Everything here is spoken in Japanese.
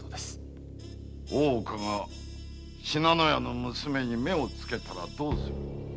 大岡が信濃屋の娘に目をつけたらどうする？